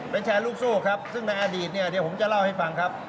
เป็นแชร์ลูกโซ่ครับซึ่งในอดีตเนี่ยเดี๋ยวผมจะเล่าให้ฟังครับ